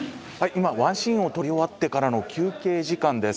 今ワンシーンを撮り終わってからの休憩時間です。